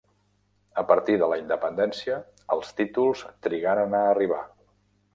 A partir de la independència, els títols trigaren a arribar.